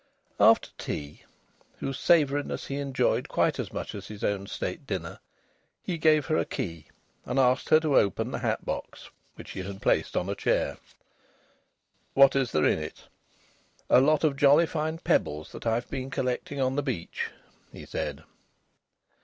After tea, whose savouriness he enjoyed quite as much as his own state dinner, he gave her a key and asked her to open the hat box, which he had placed on a chair. "What is there in it?" "A lot of jolly fine pebbles that I've been collecting on the beach," he said.